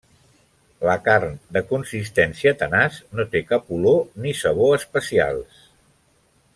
La carn, de consistència tenaç, no té cap olor ni sabor especials.